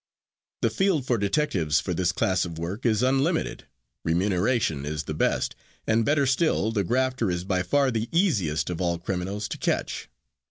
The field for detectives for this class of work is unlimited, remuneration is the best, and better still, the grafter is by far the easiest of all criminals to catch.